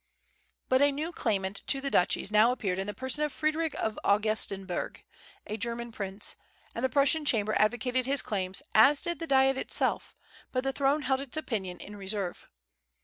But a new claimant to the duchies now appeared in the person of Frederick of Augustenburg, a German prince; and the Prussian Chamber advocated his claims, as did the Diet itself; but the throne held its opinion in reserve.